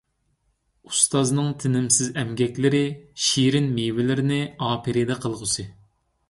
ئۇستازنىڭ تىنىمسىز ئەمگەكلىرى شېرىن مېۋىلەرنى ئاپىرىدە قىلغۇسى!